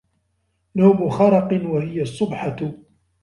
نَوْمُ خَرَقٍ وَهِيَ الصُّبْحَةُ